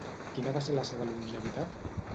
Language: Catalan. Quina va ser la seva longevitat?